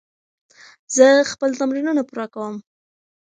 زه خپل تمرینونه پوره کوم.